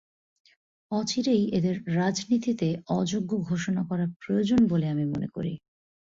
অচিরেই এদের রাজনীতিতে অযোগ্য ঘোষণা করা প্রয়োজন বলে আমি মনে করি।